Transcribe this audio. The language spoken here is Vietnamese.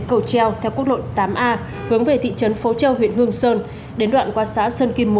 cầu treo theo quốc lộ tám a hướng về thị trấn phố châu huyện hương sơn đến đoạn qua xã sơn kim một